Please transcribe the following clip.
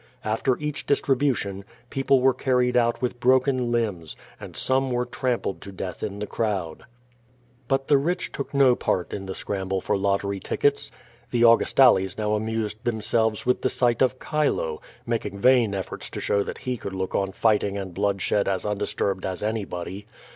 After each distribution, peo ple were carried out with broken limbs, and some were trampled to death in the crowd. But the rich took no part in the scramble for lottery tick ets. The Augustales now amused themselves with the sight of Chilo — ^making vain efforts to show that he could look on fighting and bloodshed as undisturbed as anybody.